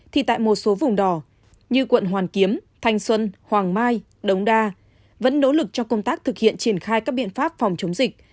thì tại một số vùng đỏ như quận hoàn kiếm thanh xuân hoàng mai đống đa vẫn nỗ lực trong công tác thực hiện triển khai các biện pháp phòng chống dịch